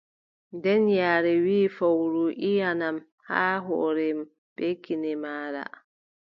Nden yaare wii fowru: iʼanam haa hoore bee kine maaɗa.